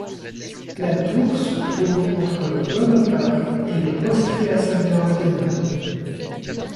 La tour se trouve entre le Donaupark et le Austria Center Vienna.